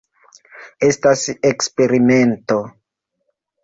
Estas eksperimento.